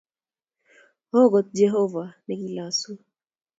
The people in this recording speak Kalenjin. O kot Jehovah ne kilosu